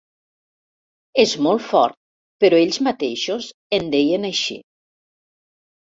És molt fort, però ells mateixos en deien així.